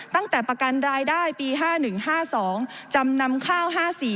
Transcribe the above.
ตั้งแต่ประกันรายได้ปี๕๑๕๒จำนำข้าว๕๔๕๕๕๖